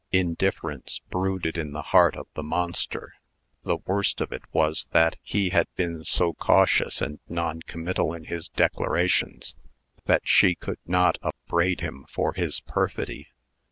Indifference brooded in the heart of the monster. The worst of it was, that he had been so cautious and noncommittal in his declarations, that she could not upbraid him for his perfidy.